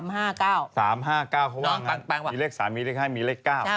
เพราะว่ามีเลขสามีมาแล้วที่เลขไห้ก็มีเลข๙